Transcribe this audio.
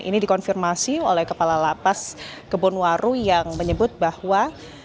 ini dikonfirmasi oleh kepala lapas kebunwaru yang menyebut bahwa